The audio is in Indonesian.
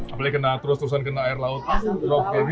apalagi terus terusan kena air laut rob kayak gini